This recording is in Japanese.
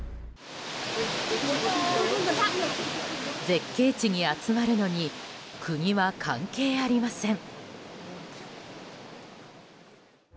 絶景地に集まるのに国は関係ありません。